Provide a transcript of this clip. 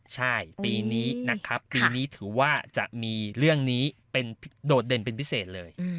ใช่ปีนี้นะครับปีนี้ถือว่าจะมีเรื่องนี้เป็นโดดเด่นเป็นพิเศษเลย